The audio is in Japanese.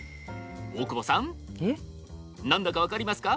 大久保さん何だか分かりますか？